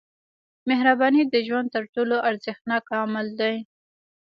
• مهرباني د ژوند تر ټولو ارزښتناک عمل دی.